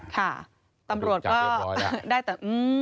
ค่ะตำรวจก็ได้แต่